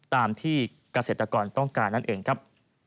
ตามที่เกษตรกรต้องการนั่นเองครับ